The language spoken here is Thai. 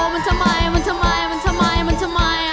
มันทำไมมันทำไมอะ